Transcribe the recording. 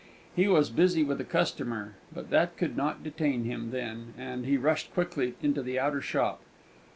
He was busy with a customer; but that could not detain him then, and he rushed quickly into the outer shop.